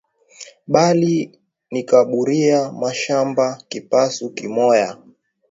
Bali nikaburia mashamba kipasu kimoya